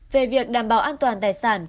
về việc đảm bảo an toàn tài sản của msb